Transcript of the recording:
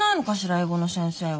英語の先生は。